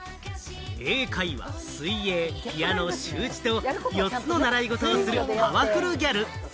英会話、水泳、ピアノ、習字と４つの習い事をするパワフルギャル。